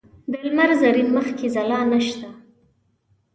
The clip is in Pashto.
د لمر زرین مخ کې ځلا نشته